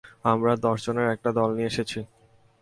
আমার দশজনের একটা দল নিয়ে এসেছি!